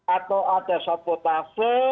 atau ada sabotase